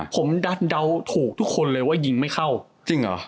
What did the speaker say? ผมดันเดาถูกทุกคนเลยว่ายิงไม่เข้าจริงเหรอ